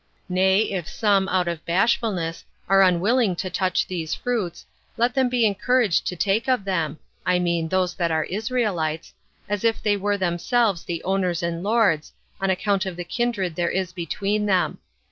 Nay, if some, out of bashfulness, are unwilling to touch these fruits, let them be encouraged to take of them [I mean, those that are Israelites] as if they were themselves the owners and lords, on account of the kindred there is between them.